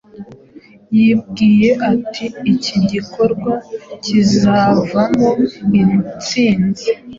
Yibwiye ati: "Iki gikorwa kizavamo intsinzi?"